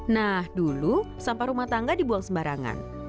nah dulu sampah rumah tangga dibuang sembarangan